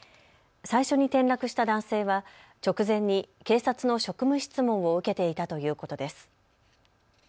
最初に転落した男性は直前に警察の職務質問を受けていたということです。